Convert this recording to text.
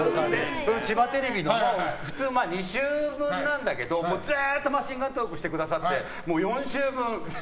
千葉テレビの普通２週分なんだけどずっとマシンガントークしてくださって４週分。